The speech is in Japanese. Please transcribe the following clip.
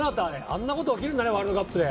あんなこと起きるんだねワールドカップで。